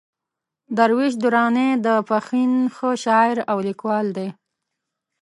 درویش درانی د پښين ښه شاعر او ليکوال دئ.